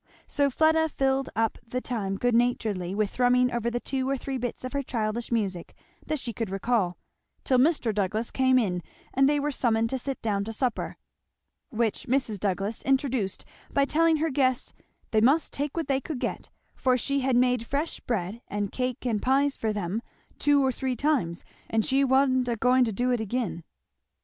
So Fleda filled up the time good naturedly with thrumming over the two or three bits of her childish music that she could recall, till Mr. Douglass came in and they were summoned to sit down to supper; which Mrs. Douglass introduced by telling her guests "they must take what they could get, for she had made fresh bread and cake and pies for them two or three times, and she wa'n't a going to do it again."